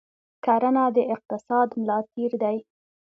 کرنه د اقتصاد ملا تیر دی.